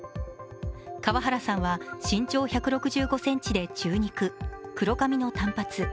川原さんは身長１６５ｃｍで中肉、黒髪の短髪。